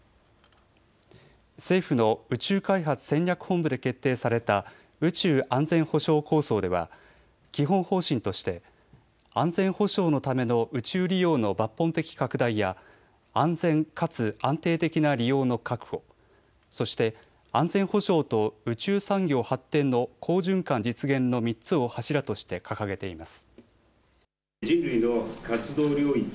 政府の宇宙開発戦略本部で決定された宇宙安全保障構想では基本方針として安全保障のための宇宙利用の抜本的拡大や安全かつ安定的な利用の確保、そして安全保障と宇宙産業発展の好循環実現の３つを柱として掲げています。